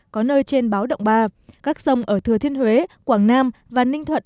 có nơi trên báo động ba các sông ở thừa thiên huế quảng nam và ninh thuận